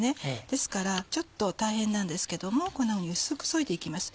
ですからちょっと大変なんですけどもこんなふうに薄くそいで行きます。